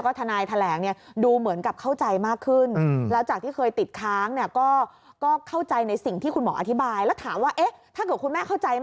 ก็คือเมื่อวานี้เนี่ย